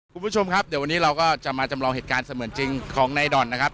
คุณผู้ชมครับเดี๋ยววันนี้เราก็จะมาจำลองเหตุการณ์เสมือนจริงของนายด่อนนะครับ